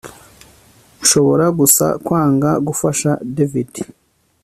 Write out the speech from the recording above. Nshobora gusa kwanga gufasha David